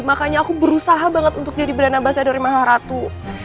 makanya aku berusaha banget untuk jadi berenabasador maharatu